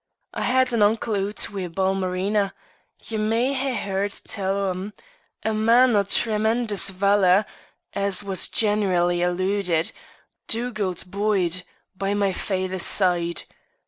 I had an uncle oot wi' Balmerina; ye may hae heard tell o'm, a man o' tremendous valour, as was generally al ooed Dugald Boyd, by my faither's side.